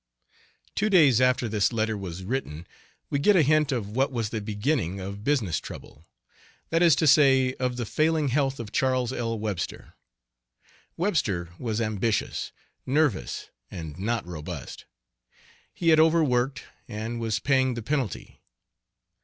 Two days after this letter was written we get a hint of what was the beginning of business trouble that is to say, of the failing health of Charles L. Webster. Webster was ambitious, nervous, and not robust. He had overworked and was paying the penalty.